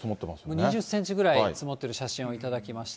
２０センチぐらい積もってる写真を頂きました。